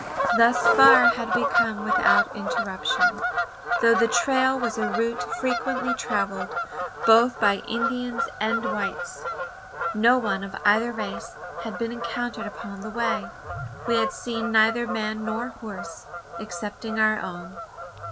Thus far had we come without interruption. Though the trail was a route frequently travelled, both by Indians and whites, no one of either race had been encountered upon the way. We had seen neither man nor horse, excepting our own.